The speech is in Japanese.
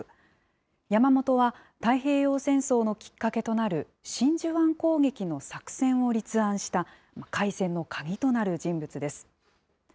山本は、太平洋戦争のきっかけとなる真珠湾攻撃の作戦を立案した、開戦の鍵となる人物です。